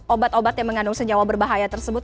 obat obat yang mengandung senyawa berbahaya tersebut